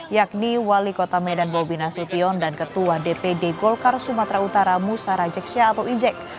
yakni wali kota medan bobi nasution dan ketua dpd golkar sumatera utara musa rajeksya atau ijek